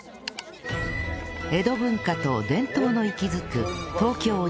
江戸文化と伝統の息づく東京日本橋